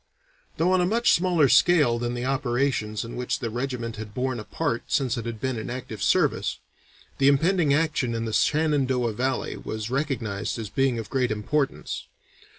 Though on a much smaller scale than the operations in which the regiment had borne a part since it had been in active service, the impending action in the Shenandoah Valley was recognized as being of great importance.